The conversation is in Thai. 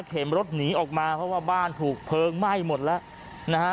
เข็มรถหนีออกมาเพราะว่าบ้านถูกเพลิงไหม้หมดแล้วนะฮะ